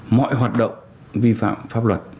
mọi hoạt động vi phạm pháp luật